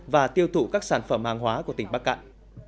và tiêu thụ các sản phẩm hàng hóa của tỉnh bắc cạn